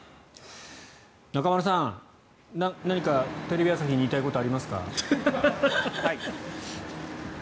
中丸さん何かテレビ朝日に言いたいことありますか？